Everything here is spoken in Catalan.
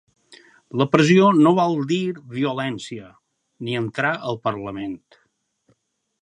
La pressió no vol dir violència, ni entrar al parlament.